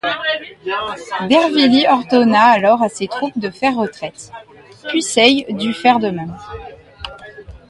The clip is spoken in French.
D'Hervilly ordonna alors à ses troupes de faire retraite, Puisaye dut faire de même.